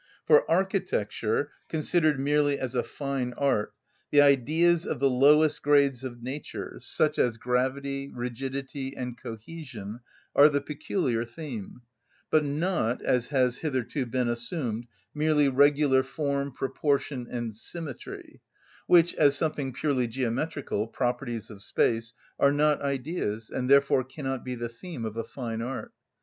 For architecture, considered merely as a fine art, the Ideas of the lowest grades of nature, such as gravity, rigidity, and cohesion, are the peculiar theme; but not, as has hitherto been assumed, merely regular form, proportion, and symmetry, which, as something purely geometrical, properties of space, are not Ideas, and therefore cannot be the theme of a fine art.